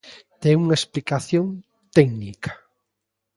Ten unha explicación técnica.